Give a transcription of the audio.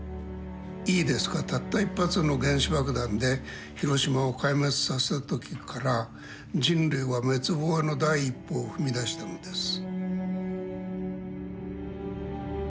「いいですかたった一発の原子爆弾で広島を壊滅させたときから人類は滅亡の第一歩を踏み出したのです」。